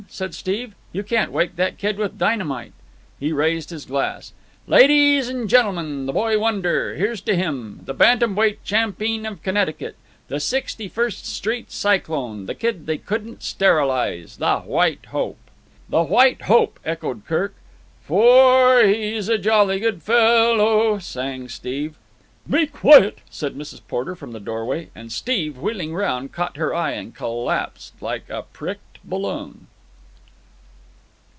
said Steve. "You can't wake that kid with dynamite." He raised his glass. "Ladeez'n gentlemen, the boy wonder! Here's to him! The bantam weight champeen of Connecticut. The Sixty First Street Cyclone! The kid they couldn't sterilize! The White Hope!" "The White Hope!" echoed Kirk. "Fo or he's a jolly good fellow—" sang Steve. "Be quiet!" said Mrs. Porter from the doorway, and Steve, wheeling round, caught her eye and collapsed like a pricked balloon.